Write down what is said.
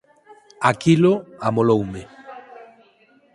Aquilo amoloume.